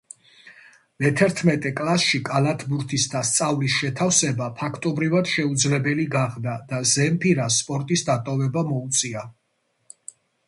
მეთერთმეტე კლასში კალათბურთის და სწავლის შეთავსება, ფაქტობრივად, შეუძლებელი გახდა და ზემფირას სპორტის დატოვება მოუწია.